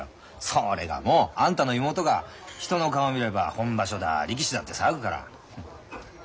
それがもうあんたの妹が人の顔見れば本場所だ力士だって騒ぐから。